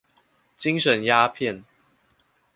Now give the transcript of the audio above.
精神鴉片